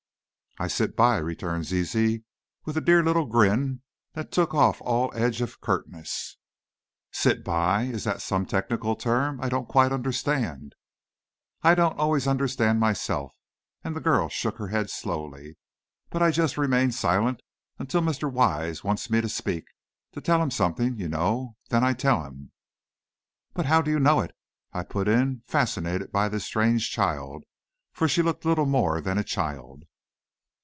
"I sit by," returned Zizi, with a dear little grin that took off all edge of curtness. "Sit by! Is that some technical term? I don't quite understand." "I don't always understand myself," and the girl shook her head slowly; "but I just remain silent until Mr. Wise wants me to speak, to tell him something, you know. Then I tell him." "But how do you know it?" I put in, fascinated by this strange child, for she looked little more than a child.